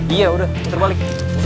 iya udah kita balik